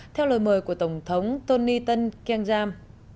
theo lời mời của tổng thống tony teng keng jam